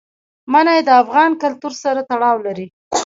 منی د افغان کلتور سره تړاو لري.